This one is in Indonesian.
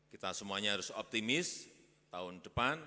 kita semuanya harus optimis tahun depan